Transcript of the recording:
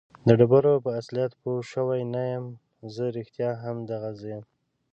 د ډبرې په اصلیت پوه شوی نه یم. زه رښتیا هم دغه زه یم؟